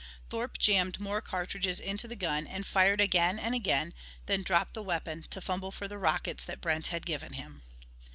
Thorpe jammed more cartridges into the gun and fired again and again, then dropped the weapon to fumble for the rockets that Brent had given him.